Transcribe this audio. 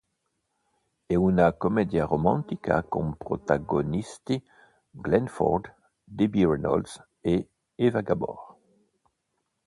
È una commedia romantica con protagonisti Glenn Ford, Debbie Reynolds e Eva Gabor.